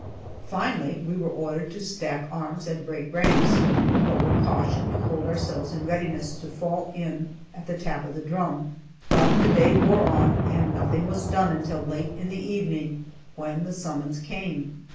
Finally we were ordered to stack arms and break ranks, but were cautioned to hold ourselves in readiness to fall in at the tap of the drum. But the day wore on and nothing was done until late in the evening, when the summons came.